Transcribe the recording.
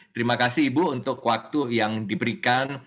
terima kasih ibu untuk waktu yang diberikan